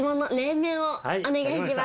お願いします。